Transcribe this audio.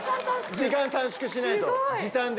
時間短縮しないと時短で。